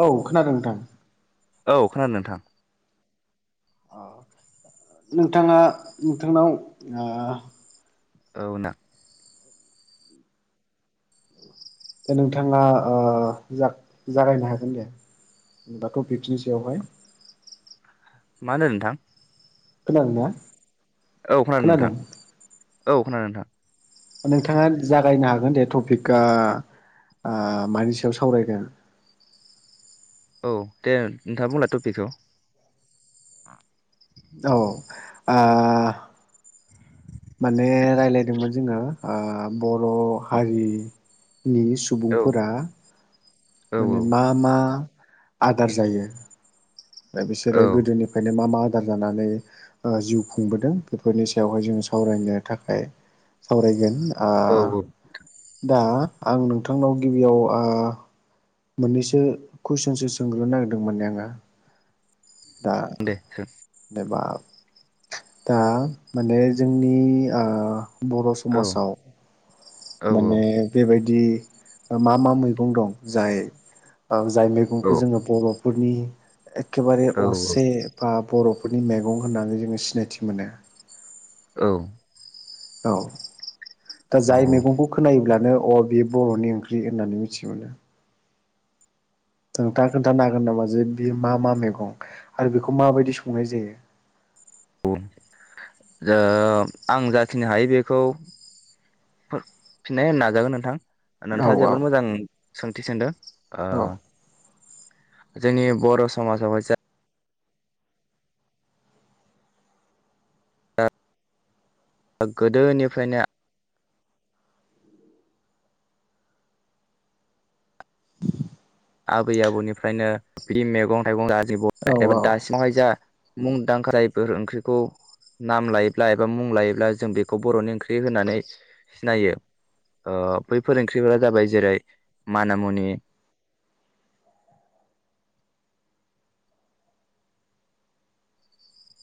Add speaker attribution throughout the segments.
Speaker 1: औ खोनादों नोंथां।
Speaker 2: औ खोनादों नोंथां।
Speaker 1: नोंथाङा नोंथांनाव आ
Speaker 2: औ ना
Speaker 1: दा नोंथांङा ओ जाग-जागायनो हागोन दे। बाथौ पिकनि सायावहाय।
Speaker 2: मा होनो नोंथां।
Speaker 1: खोनादों ना।
Speaker 2: औ खोनादों नोंथां औ खोनादों नोंथां।
Speaker 1: नोंथाङा जागायनो हागोन दे टपिकआ। आ‌ मानि सायाव सावरायगोन।
Speaker 2: औ दे नोंथां बुंला टपिकखौ।
Speaker 1: आ माने रायज्लायदोंमोन जोंङो आं बर हारि नि
Speaker 2: औ
Speaker 1: सुबुंफोरा
Speaker 2: औ
Speaker 1: माने मा मा। आदार जायो। दा बिसोरो
Speaker 2: औ
Speaker 1: गोदोनिफ्रायनो मा मा। आदार जानानै ओ जिउ खुंबोदों बेफोरनि सायावहाय जों सावरायनो थाखाय सावरायगोन आ
Speaker 2: औ
Speaker 1: दा आं नोंथांनाव गिबियाव आ मोननैसो कुइसनसो सोंग्रोनो नागिरदोंमोन दै आंङो। दा
Speaker 2: दे सों
Speaker 1: एबा दा माने जोंनि ओ बर
Speaker 2: औ
Speaker 1: समाजाव
Speaker 2: औ
Speaker 1: माने बेबायदि मा मा मैगं दं जाय जाय मैगंखौ जोंङो बरफोरनि। एखेबारे असे बा बरफोरनि मैगं होननानै जोंङो सिनायथि मोनो।
Speaker 2: औ।
Speaker 1: औ दा जाय
Speaker 2: औ
Speaker 1: मैगंखौ खोनायोब्लानो। अ बे बरनि ओंख्रि होननानै मिथि मोनो। नोंथाङा खोन्थानो हागोन नामा जे बे मा मा मैगं आरो बेखौ माबायदि संनाय जायो। [inaudible]
Speaker 2: औ आं जाखिनि हायो बेखौ। फिन्नाय होनो नाजागोन नोंथां। नोंथांङा
Speaker 1: औ
Speaker 2: जोबोद मोजां सोंथि सोंदों‌ ओ
Speaker 1: औ
Speaker 2: जोंनि बर समाजावहाय जा गोदोनिफ्रायनो। आबै आबौनिफ्रायनो बिदि मैगं थाइगं गासिबो
Speaker 1: औ
Speaker 2: एबा
Speaker 1: औ
Speaker 2: दासिमावहाय जा मुंदांखा ओंख्रिखौ। नाम लायोब्ला एबा मुं लायोब्ला जों बेखौ बरनि ओंख्रि होननानै सिनायो। ओ बै फोरोंगिरिफोरा जाबाय जेरै मानामुनि।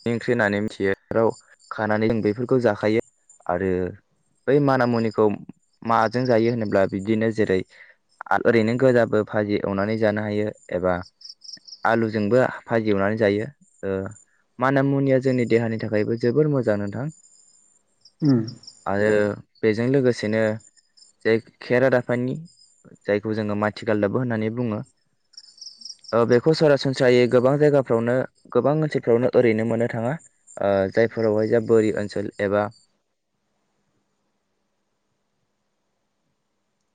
Speaker 2: ओंख्रि होननानै मिथियो खानानै जों बेफोरखौ जाखायो आरो। बै माना मुनिखौ माजों जायो होनोब्ला बिदिनो जेरै आरो ओरैनो गोजाबो भाजि एवनानै जानो हायो एबा। आलुजोंबो भाजि एवनानै जायो ओ माना मुनिया जोंनि देहानि थाखायबो जोबोर मोजां नोंथां
Speaker 1: उम।
Speaker 2: आरो बेजों लोगोसेनो जाय खेरादाफानि जायखौ जोङो माथिगालदाबो होननानै बुङो ओ बेखौ सरासनस्रायै गोबां जायगाफ्रावनो गोबां ओनसोलफ्रावनो ओरैनो मोननो थाङा ओ जायफोरावहाय जा बोरि ओनसोल एबा
Speaker 1: [unintelligible]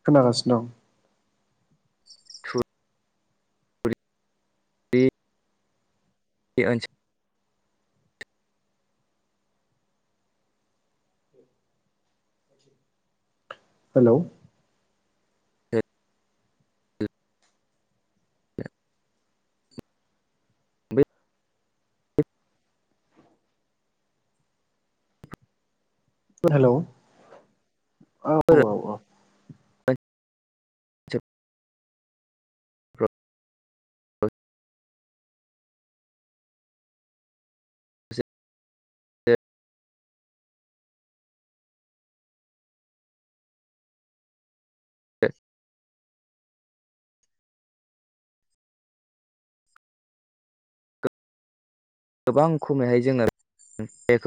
Speaker 1: खोनागासिनो दं।
Speaker 2: थु रि बे ओन
Speaker 1: हेल'?
Speaker 2: [unintelligible] [unintelligible]
Speaker 1: हेल' औ
Speaker 2: बैफोर
Speaker 1: औ औ।
Speaker 2: [unintelligible] [unintelligible] [unintelligible] गोबां खमैहाय जोङो बेखौ